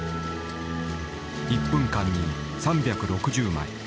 １分間に３６０枚。